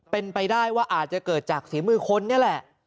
เป็นไปได้ว่าอาจจะเกิดจากฝีมือคนนี่แหละ